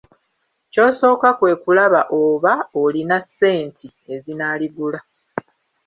Ky'osooka kwe kulaba oba olina senti ezinaligula.